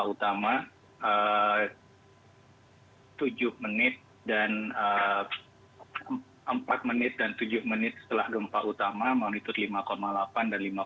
gempa utama empat menit dan tujuh menit setelah gempa utama magnitudenya lima delapan dan lima satu